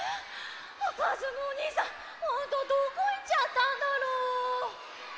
もうかずむおにいさんほんとどこいっちゃったんだろう？